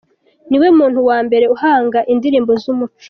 Ni we muntu wa mbere uhanga indirimbo zumuco.